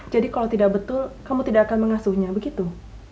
jadi kalau tidak betul kamu tidak akan mengasuhnya begitu